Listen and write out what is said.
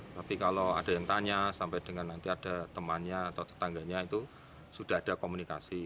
tapi kalau ada yang tanya sampai dengan nanti ada temannya atau tetangganya itu sudah ada komunikasi